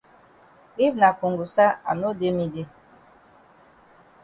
If na kongosa I no dey me dey.